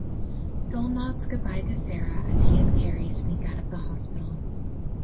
Joel nods goodbye to Sarah as he and Carrie sneak out of the hospital.